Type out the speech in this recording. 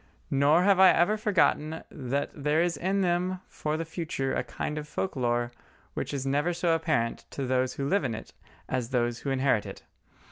Nor have I ever forgotten that there is in them for the future a kind of folk lore which is never so apparent to those who live in it as to those who inherit it.